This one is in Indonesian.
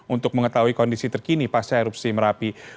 untuk mengetahui kondisi terkini pasca erupsi merapi